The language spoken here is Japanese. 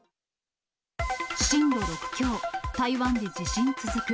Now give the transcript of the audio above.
震度６強、台湾で地震続く。